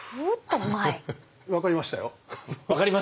分かりましたよ！